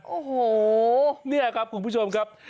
โอ้โหนี่ครับคุณผู้ชมครับ